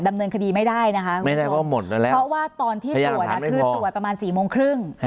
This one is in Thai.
ดำเนินคดีไม่ได้นะคะเพราะว่าตอนที่ตรวจคือตรวจประมาณ๔โมงครึ่ง